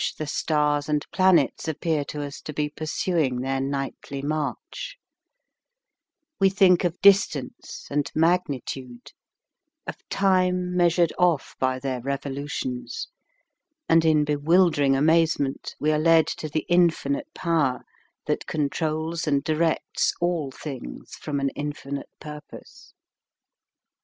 83 the stars and planets appear to us to be pursuing their nightly march; we think of distance and magnitude, of time measured off by their revolu tions, and in bewildering amazement we are led to the infinite Power that controls and directs all things from an infinite purpose.